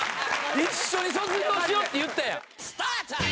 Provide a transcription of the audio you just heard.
一緒に卒業しようって言ったやん。